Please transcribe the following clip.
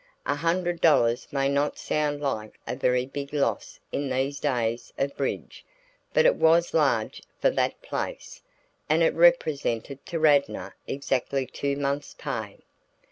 A hundred dollars may not sound like a very big loss in these days of bridge, but it was large for that place, and it represented to Radnor exactly two months' pay.